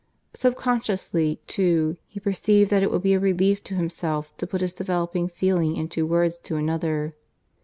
Subconsciously, too, he perceived that it would be a relief to himself to put his developing feeling into words to another.